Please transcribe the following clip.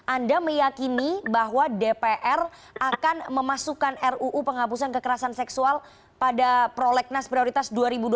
anda meyakini bahwa dpr akan memasukkan ruu penghapusan kekerasan seksual pada prolegnas prioritas dua ribu dua puluh